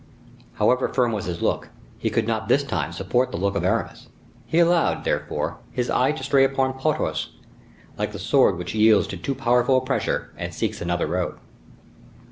However firm was his look, he could not this time support the look of Aramis. He allowed, therefore, his eye to stray upon Porthos—like the sword which yields to too powerful a pressure, and seeks another road.